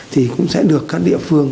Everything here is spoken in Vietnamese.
thì cũng sẽ được các địa phương